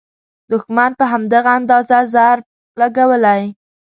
دوښمن په همدغه اندازه ضرب لګولی.